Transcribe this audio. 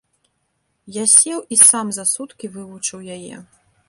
Я сеў і сам за суткі вывучыў яе.